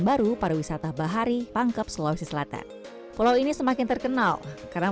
baru pariwisata bahari pangkep sulawesi selatan pulau ini semakin terkenal karena